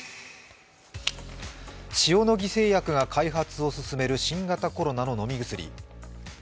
塩野義製薬が開発を進める新型コロナの飲み薬。